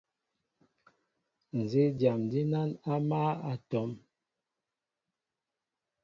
Nzí dyam dínán á mál a tóm,